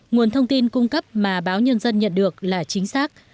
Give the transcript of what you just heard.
nguồn thông tin cung cấp mà báo nhân dân nhận được là chính xác